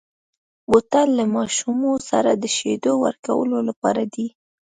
بوتل له ماشومو سره د شیدو ورکولو لپاره دی.